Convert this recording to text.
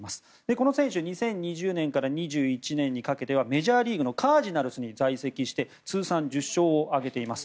この選手、２０２０年から２０２１年にかけてはメジャーリーグのカージナルスに在籍して通算１０勝を挙げています。